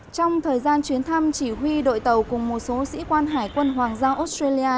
trong thời gian chuyến thăm chỉ huy đội tàu cùng một số sĩ quan hải quân hoàng giao australia